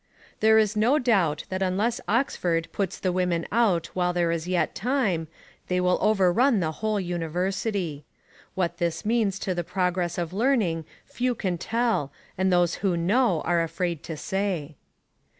There is no doubt that unless Oxford puts the women out while there is yet time, they will overrun the whole university. What this means to the progress of learning few can tell and those who know are afraid to say.